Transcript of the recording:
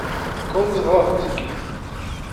komz a ra ouzh e gi.